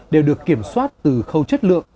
đều được kiểm soát từ khâu chất lượng